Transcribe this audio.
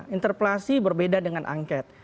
interpelasi berbeda dengan angket